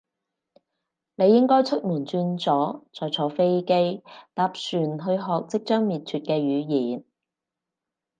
你應該出門轉左，再坐飛機，搭船去學即將滅絕嘅語言